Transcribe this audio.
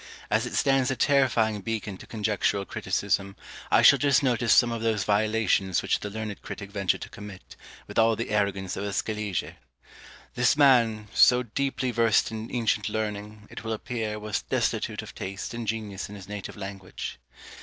As it stands a terrifying beacon to conjectural criticism, I shall just notice some of those violations which the learned critic ventured to commit, with all the arrogance of a Scaliger. This man, so deeply versed in ancient learning, it will appear, was destitute of taste and genius in his native language.